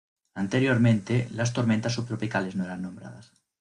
Anteriormente, las tormentas subtropicales no eran nombradas.